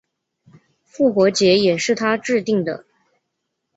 复活节也是他制定的。